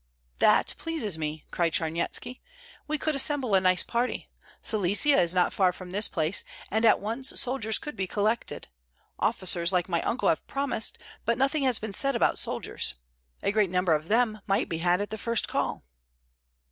"That pleases me!" cried Charnyetski. "We could assemble a nice party. Silesia is not far from this place, and at once soldiers could be collected. Officers, like my uncle, have promised, but nothing has been said about soldiers; a great number of them might be had at the first call."